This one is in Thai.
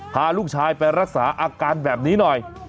พาลูกชายไปรักษาอาการแบบนี้หน่อย